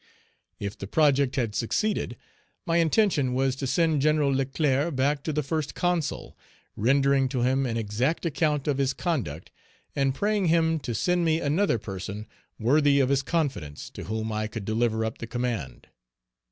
If the project had succeeded, my intention was to send Gen. Leclerc back to the First Consul, rendering to him an exact account of his conduct, and praying him to send me another person worthy of his confidence, to whom I could deliver up the command.